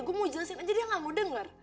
gue mau jelasin aja dia gak mau denger